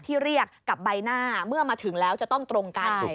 เรียกกับใบหน้าเมื่อมาถึงแล้วจะต้องตรงกัน